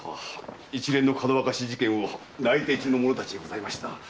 一連のかどわかし事件を内偵中の者たちにございました。